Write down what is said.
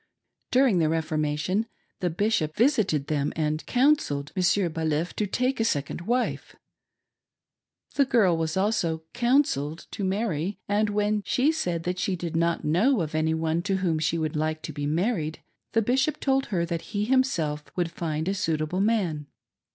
During the Reformation the Bishop visited them and "counselled" Monsieur Baliff to take a second wife. The girl was also "counselled" to marry, and when she said that she did not know of any one to whom she would like, to be married, the Bishop told her that he himself would find a suitable man.